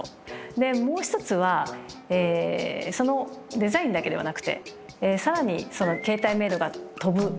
でもう一つはそのデザインだけではなくて更に携帯メールが飛ぶ。